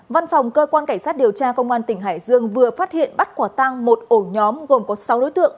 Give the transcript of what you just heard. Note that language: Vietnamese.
văn phòng cơ quan cảnh sát điều tra công an tỉnh hải dương vừa phát hiện bắt quả tăng một ổ nhóm gồm có sáu đối tượng